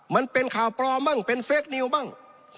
มันเป็นข่าวปลอมบ้างเป็นเฟคนิวบ้าง